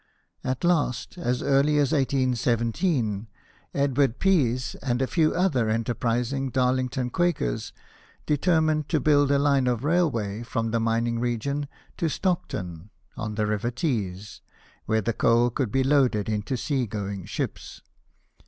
At last, as early as 1817, Edward Pease and a few other enterprising Darlington Quakers determined to build a line of railway from the mining region to Stockton, on the river Tees, where the coal could be loaded into sea going ships.